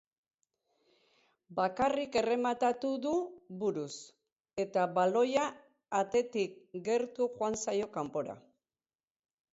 Bakarrik errematatu du, buruz, eta baloia atetik gertu joan zaio kanpora.